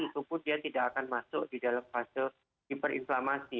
tubuh dia tidak akan masuk di dalam fase hiperinflamasi